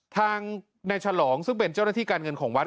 ทางนายฉลองซึ่งเป็นเจ้าหน้าที่การเงินของวัด